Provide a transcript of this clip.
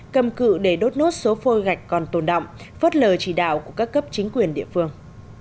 cầm cự để đốt nốt số phôi gạch còn tồn động phớt lờ chỉ đạo của các cấp chính quyền địa phương